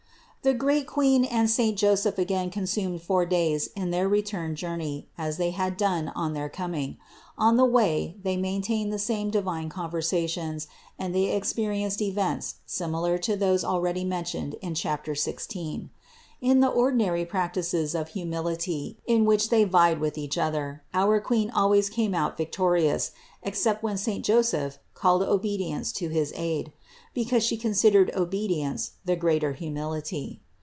315. The great Queen and saint Joseph again consumed four days in their return journey, as they had done on their coming. On the way they maintained the same divine conversations, and they experienced events similar to those already mentioned in chapter sixteenth. In the 251 252 CITY OF GOD ordinary practices of humility, in which they vied with each other, our Queen always came out victorious, except when saint Joseph called obedience to his aid; because She considered obedience the greater humility.